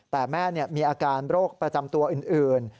แต่แม่มีอาการโรคประจำตัวอื่น